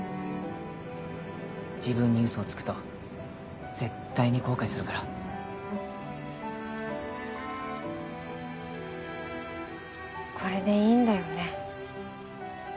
自分にウソをつくと絶対に後悔するからこれでいいんだよね？